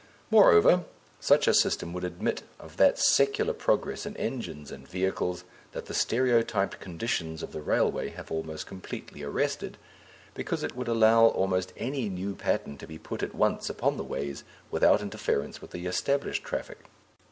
Moreover, such a system would admit of that secular progress in engines and vehicles that the stereotyped conditions of the railway have almost completely arrested, because it would allow almost any new pattern to be put at once upon the ways without interference with the established traffic.